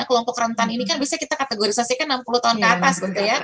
kelompok rentan ini kan biasanya kita kategorisasi kan enam puluh tahun ke atas